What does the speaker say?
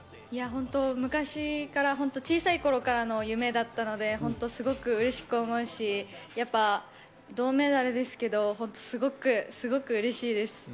昔から、小さい頃からの夢だったので本当にすごくうれしく思うし、銅メダルですけど、すごくすごくうれしいです。